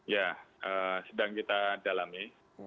ya sedang kita dalami